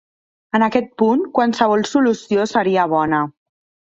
En aquest punt, qualsevol solució seria bona.